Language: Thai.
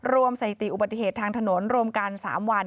สถิติอุบัติเหตุทางถนนรวมกัน๓วัน